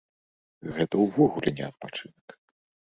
Гэта ўвогуле не адпачынак.